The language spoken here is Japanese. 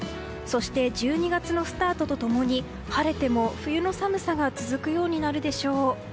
そして、１２月のスタートと共に晴れても、冬の寒さが続くようになるでしょう。